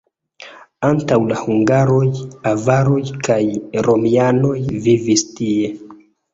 Antaŭ la hungaroj avaroj kaj romianoj vivis tie.